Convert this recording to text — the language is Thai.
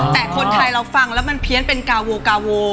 แต่คนไทยเราฟังแล้วมันเพี้ยนเป็นกาโวกาโว